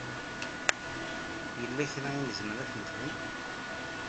Yella kra i nezmer ad t-nexdem?